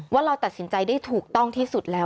ว่าเราตัดสินใจได้ถูกต้องที่สุดแล้ว